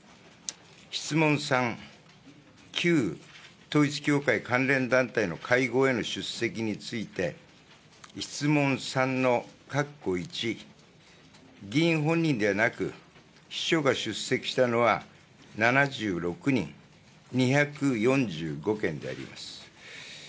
質問３、旧統一教会関連団体の会合への出席について、質問３のかっこ１、議員本人ではなく、秘書が出席したのは７６人、２４５件であります。